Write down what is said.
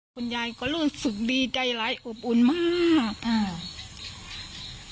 คุณยายก็รู้สึกดีใจร้ายอบอุ่นมากอ่า